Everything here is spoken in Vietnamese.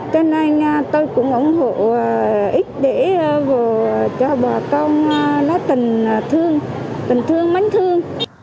cho nên tôi cũng ủng hộ ít để cho bà con lấy tình thương tình thương mánh thương